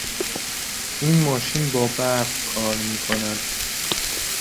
این ماشین با برق کار میکند.